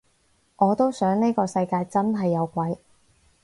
我都想呢個世界真係有鬼